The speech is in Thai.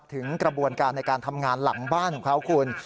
ถึงกระบวนการในการทำงานหลังบ้านของเขาคุณ